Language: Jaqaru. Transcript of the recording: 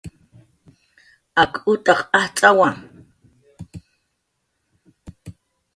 Ak utaq ajtz'awa